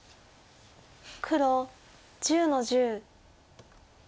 黒１０の十。